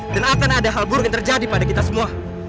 dan akan ada hal buruk yang terjadi pada kita semua